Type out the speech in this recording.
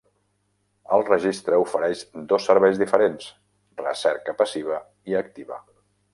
El registre ofereix dos serveis diferents: recerca passiva i activa.